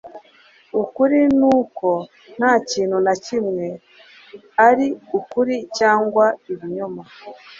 ukuri nuko ntakintu na kimwe ari ukuri cyangwa ibinyoma